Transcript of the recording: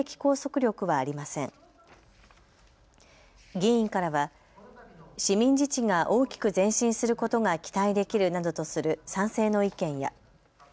議員からは市民自治が大きく前進することが期待できるなどとする賛成の意見や。